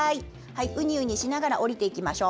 うにうにしながら下りていきましょう。